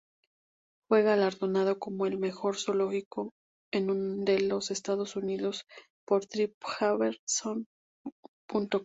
Fue galardonado como el mejor zoológico en de los Estados Unidos por TripAdvisor.com.